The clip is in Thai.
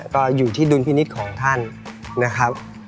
ก็อยู่ที่ดุลพินิษฐ์ของท่านนะครับ